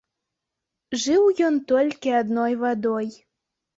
Жыў ён толькі адной вадой.